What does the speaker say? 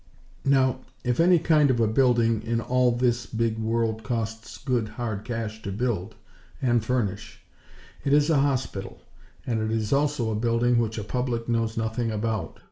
Now, if any kind of a building in all this big world costs good, hard cash to build, and furnish, it is a hospital; and it is also a building which a public knows nothing about.